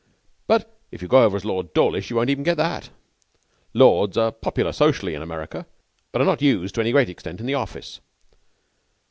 But if you go over as Lord Dawlish you won't even get that. Lords are popular socially in America, but are not used to any great extent in the office.